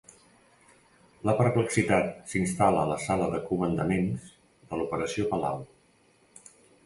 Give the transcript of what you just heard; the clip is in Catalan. La perplexitat s'instal·la a la sala de comandaments de l'Operació Palau.